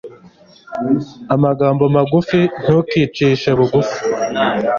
amagambo magufi ntukicishe bugufi